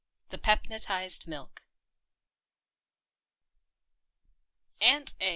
THE PEPNOTISED MILK AUNT A.